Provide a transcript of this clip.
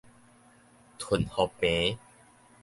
坉予平